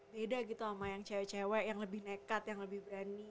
beda gitu sama yang cewek cewek yang lebih nekat yang lebih berani